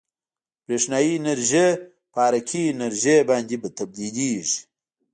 برېښنايي انرژي په حرکي انرژي باندې تبدیلیږي.